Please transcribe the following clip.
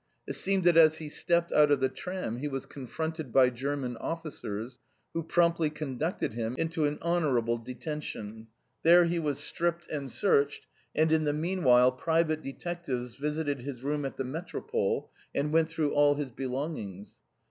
It seemed that as he stepped out of the tram he was confronted by German officers, who promptly conducted him into a "detention honorable." There he was stripped and searched, and in the meanwhile private detectives visited his room at the Métropole and went through all his belongings.